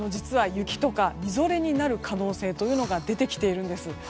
雪とかみぞれになる可能性が出てきているんです。